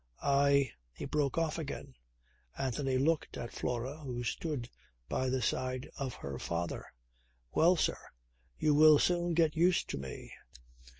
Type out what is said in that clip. I " He broke off again. Anthony looked at Flora who stood by the side of her father. "Well, sir, you will soon get used to me.